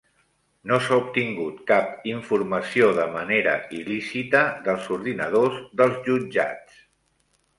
No s'ha obtingut cap informació de manera il·lícita dels ordinadors dels jutjats